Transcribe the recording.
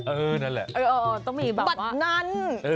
เออนั่นแหละเออต้องมีแบบว่าบัตรนั้น